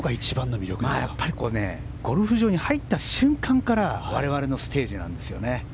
ゴルフ場に入った瞬間から我々のステージなんですよね。